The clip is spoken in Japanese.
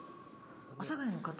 阿佐ヶ谷の方